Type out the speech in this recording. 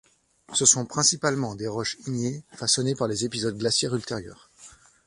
Ce sont principalement des roches ignées, façonnées par les épisodes glaciaires ultérieurs.